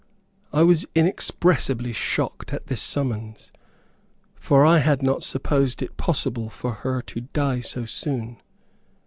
I was inexpressibly shocked at this summons, for I had not supposed it possible for her to die so soon.